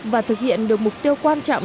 và thực hiện được mục tiêu quan trọng